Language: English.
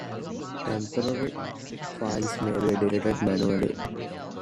Temporary files may be deleted manually.